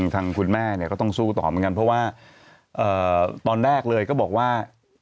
ทางคุณแม่เนี่ยก็ต้องสู้ต่อเหมือนกันเพราะว่าตอนแรกเลยก็บอกว่า